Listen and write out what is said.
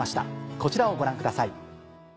こちらをご覧ください。